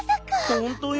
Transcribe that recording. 「ほんとよ。